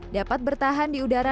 dapat bertahan di udara